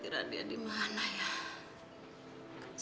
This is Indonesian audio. tidak ada alasan